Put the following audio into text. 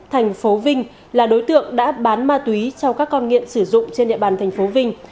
thành phố vinh là đối tượng đã bán ma túy cho các con nghiện sử dụng trên địa bàn thành phố vinh